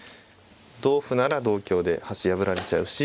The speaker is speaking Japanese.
同歩なら同香で端破られちゃうし。